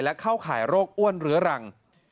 และเข้าข่ายโรคอ้วนเรื้อรัง